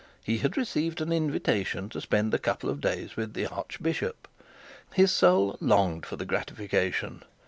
He had received an invitation to spend a couple of days with the archbishop. His soul longed for the gratification.